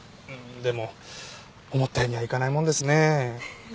でも思ったようにはいかないもんですね。